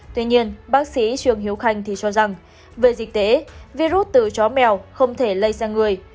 tuy nhiên bác sĩ trương hiếu khanh thì cho rằng về dịch tễ virus từ chó mèo không thể lây sang người